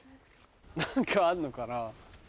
何かあるのかな？